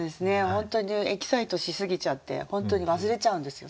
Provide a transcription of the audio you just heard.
本当にエキサイトしすぎちゃって本当に忘れちゃうんですよ